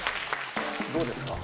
どうですか？